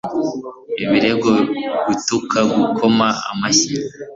ibirego gutaka gukoma amashyi